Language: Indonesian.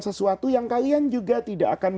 sesuatu yang kalian juga tidak akan